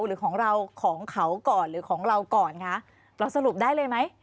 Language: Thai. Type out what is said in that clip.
หรือของเราของเขาก่อนหรือของเราก่อนคะเราสรุปได้เลยไหม